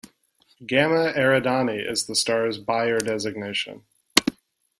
"Gamma Eridani" is the star's Bayer designation.